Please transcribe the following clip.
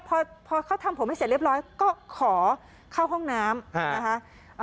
พอเขาทำผมให้เสร็จเรียบร้อยก็ขอเข้าห้องน้ำนะคะ